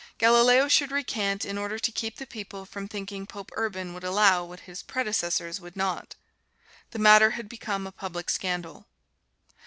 Galileo should recant in order to keep the people from thinking Pope Urban would allow what his predecessors would not. The matter had become a public scandal.